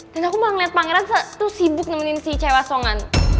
dan aku mulai ngeliat pangeran saat itu sibuk nemenin si cewek wasongan